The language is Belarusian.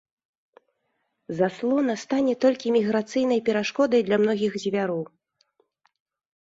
Заслона стане толькі міграцыйнай перашкодай для многіх звяроў.